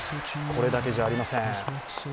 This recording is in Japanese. これだけじゃありません。